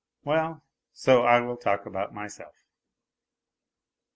Well, so I will talk about myself.